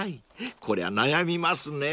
［こりゃ悩みますね］